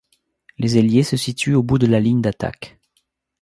Les ailiers se situent au bout de la ligne d'attaque.